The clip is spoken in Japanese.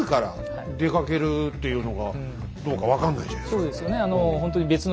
そうですよね